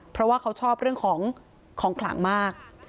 เพราะว่าเขาชอบเรื่องของของขลังมาก